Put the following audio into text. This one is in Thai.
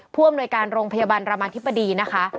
ผู้อำนวยการโรงพยาบาลรามาธิบดีนะคะ